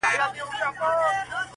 • د ژوندون ساز كي ائينه جوړه كړي.